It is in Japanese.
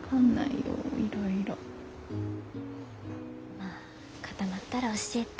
まあ固まったら教えて。